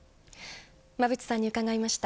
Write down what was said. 馬渕さんに伺いました。